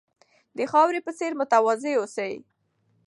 د خاورې په څېر متواضع اوسئ.